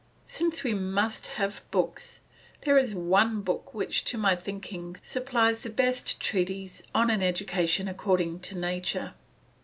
Since we must have books, there is one book which, to my thinking, supplies the best treatise on an education according to nature.